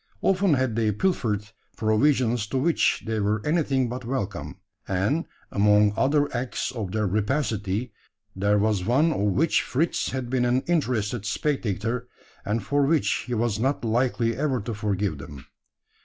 Often had they pilfered provisions to which they were anything but welcome; and, among other acts of their rapacity, there was one of which Fritz had been an interested spectator, and for which he was not likely ever to forgive them.